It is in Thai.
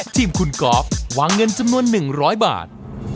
ทีมคุณกอล์ฟวางเงินจำนวน๑๐๐บาท